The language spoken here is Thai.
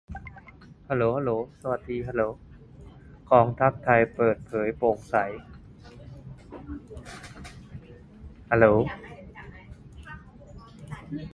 กองทัพไทย เปิดเผย โปร่งใส